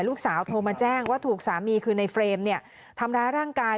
โทรมาแจ้งว่าถูกสามีคือในเฟรมเนี่ยทำร้ายร่างกาย